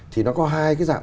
thì nó có hai cái dạng